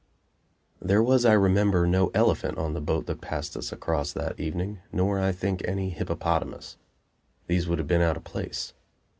IV There was, I remember, no elephant on the boat that passed us across that evening, nor, I think, any hippopotamus. These would have been out of place.